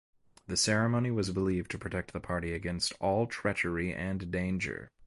The ceremony was believed to protect the party against all treachery and danger.